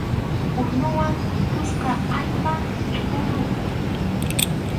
Unuwan pitusqa allpam tʼuruqa.